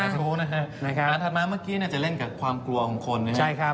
อันถัดมาเมื่อกี้นะจะเล่นกับความกลัวของคนนะ